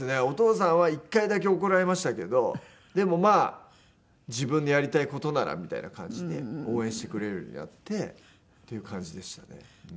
お父さんは１回だけ怒られましたけどでもまあ自分のやりたい事ならみたいな感じで応援してくれるようになってっていう感じでしたね。